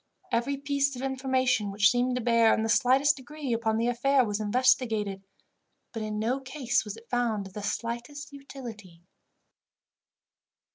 Every piece of information which seemed to bear, in the slightest degree, upon the affair was investigated, but in no case was it found of the slightest utility.